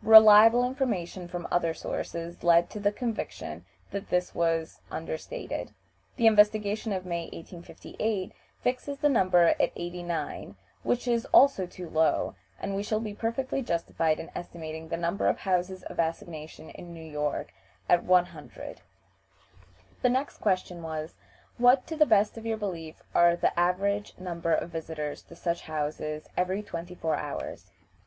Reliable information from other sources led to the conviction that this was understated. The investigation of May, 1858, fixes the number at eighty nine (89), which is also too low; and we shall be perfectly justified in estimating the number of houses of assignation in New York at one hundred (100). The next question was, "What, to the best of your belief, are the average number of visitors to such houses every twenty four hours?"